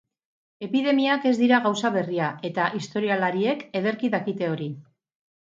Epidemiak ez dira gauza berria, eta historialariek ederki dakite hori.